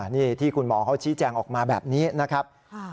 นี่ที่คุณหมอเขาชี้แจงออกมาแบบนี้นะครับ